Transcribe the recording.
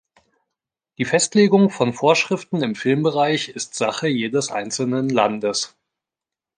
Die Festlegung von Vorschriften im Filmbereich ist Sache jedes einzelnen Landes.